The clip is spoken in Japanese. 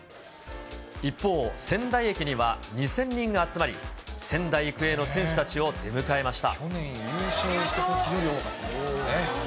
一方、仙台駅には２０００人が集まり、仙台育英の選手たちを出迎えました。